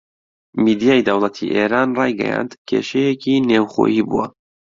میدیای دەوڵەتی ئێران ڕایگەیاند کێشەیەکی نێوخۆیی بووە